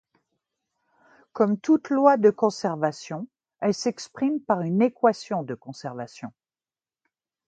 Comme toute loi de conservation elle s'exprime par une équation de conservation.